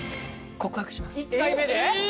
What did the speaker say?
告白します。